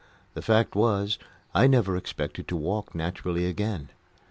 The fact was, I never expected to walk naturally again.